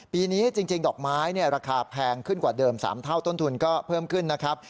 ปีนี้จริงดอกไม้ราคาแพงขึ้นกว่าเดิม๓เท่าต้นทุนก็เพิ่มขึ้นนะครับ